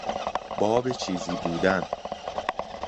باب چیزی بودن